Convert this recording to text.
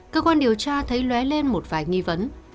cơ quan điều tra thấy lué lên một vài nghi vấn